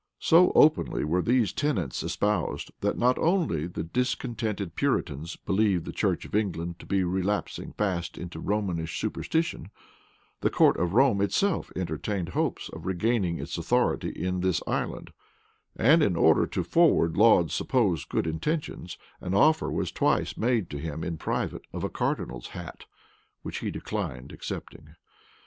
[*] So openly were these tenets espoused, that not only the discontented Puritans believed the church of England to be relapsing fast into Romish superstition: the court of Rome itself entertained hopes of regaining its authority in this island; and, in order to forward Laud's supposed good intentions, an offer was twice made him in private of a cardinal's hat, which he declined accepting.